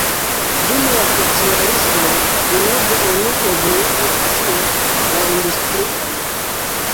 Dum la socialismo denove oni evoluis tie la industrion.